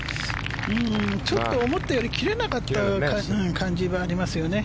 ちょっと思ったより切れなかった感じはありますね。